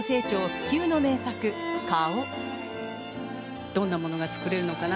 不朽の名作「顔」！